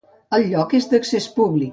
El lloc és d'accés públic.